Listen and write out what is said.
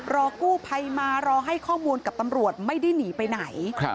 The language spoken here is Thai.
รอกู้ภัยมารอให้ข้อมูลกับตำรวจไม่ได้หนีไปไหน